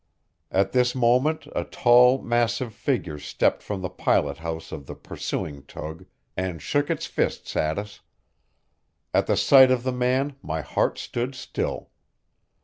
At this moment a tall, massive figure stepped from the pilot house of the pursuing tug and shook its fists at us. At the sight of the man my heart stood still.